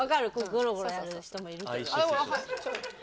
ゴロゴロやる人もいるけど。